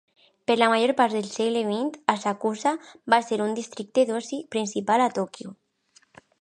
Per la major part del segle vint, Asakusa va ser un districte d'oci principal a Tòquio.